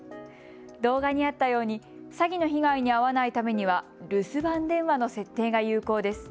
動画にあったように詐欺の被害に遭わないためには留守番電話の設定が有効です。